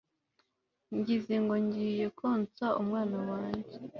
ngize ngo ngiye konsa umwana wange